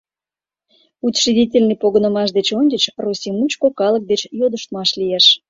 Учредительный погынымаш деч ончыч Россий мучко калык деч йодыштмаш лиеш.